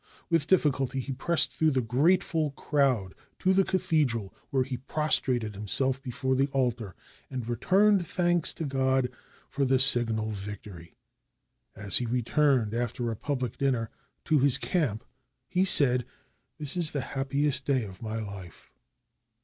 With difficulty he pressed through the grateful crowd to the cathedral, where he prostrated himself before the altar, and returned thanks to God for the signal victory. As he returned, after a public dinner, to his camp, he said, "This is the happiest day of my life."